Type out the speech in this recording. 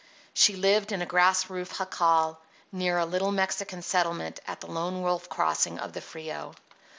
She lived in a grass roofed jacal near a little Mexican settlement at the Lone Wolf Crossing of the Frio.